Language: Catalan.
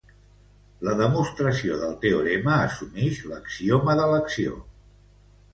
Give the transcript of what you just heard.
La demostració del teorema assumix l'axioma d'elecció.